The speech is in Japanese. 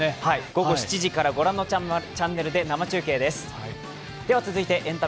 午後７時から御覧のチャンネルで生中継です。